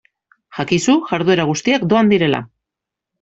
Jakizu jarduera guztiak doan direla.